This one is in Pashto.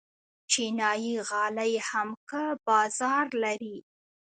چینايي غالۍ هم ښه بازار لري.